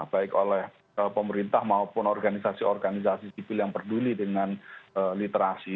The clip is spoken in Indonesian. baik oleh pemerintah maupun organisasi organisasi sipil yang peduli dengan literasi